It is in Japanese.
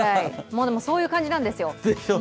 もうでもそういう感じなんですよ。